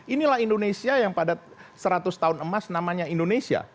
inilah indonesia yang pada seratus tahun emas namanya indonesia